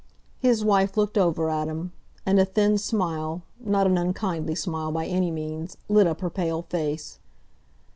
His wife looked over at him; and a thin smile, not an unkindly smile by any means, lit up her pale face.